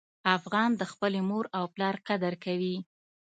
افغان د خپلې مور او پلار قدر کوي.